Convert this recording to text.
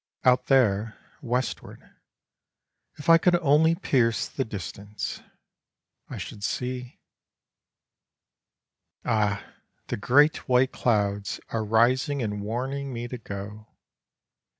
Out there, westward, if I could only pierce the distance, I should see Ah! the great white clouds are rising and warning me to go.